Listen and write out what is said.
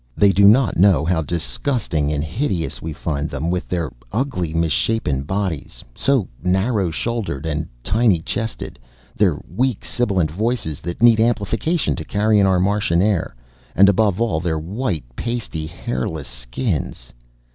They do not know how disgusting and hideous we find them, with their ugly misshapen bodies, so narrow shouldered and tiny chested, their weak sibilant voices that need amplification to carry in our Martian air, and above all their white pasty hairless skins.